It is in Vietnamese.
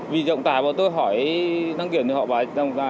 vì trọng tải bọn tôi hỏi đăng kiểm thì họ bảo là